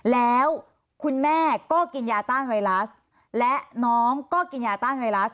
แล้วคุณแม่ก็กินยาต้านไวรัสและน้องก็กินยาต้านไวรัส